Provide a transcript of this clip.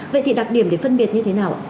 vậy thì đặc điểm để phân biệt như thế nào